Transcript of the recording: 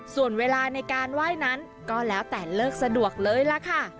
ส่วนเวลาในการไหว้นั้นก็แล้วแต่เลิกสะดวกเลยล่ะค่ะ